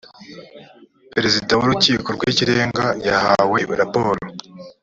perezida w urukiko rw ikirenga yahawe raporo